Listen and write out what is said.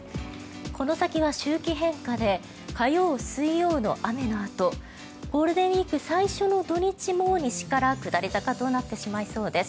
この先は周期変化で火曜、水曜の雨のあとゴールデンウィーク最初の土日も西から下り坂となってしまいそうです。